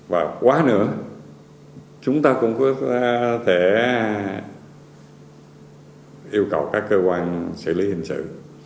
và quá nữa chúng ta cũng có thể yêu cầu các cơ quan xử lý hình sự